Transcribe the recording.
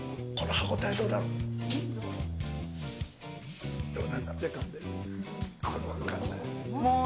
歯応え、どうだろう。